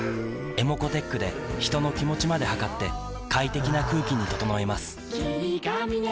ｅｍｏｃｏーｔｅｃｈで人の気持ちまで測って快適な空気に整えます